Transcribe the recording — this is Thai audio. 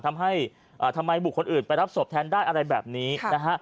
ทำไมบุคคลอื่นไปรับศพแทนได้อะไรแบบนี้นะฮะ